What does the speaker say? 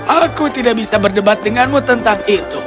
aku tidak bisa berdebat denganmu tentang itu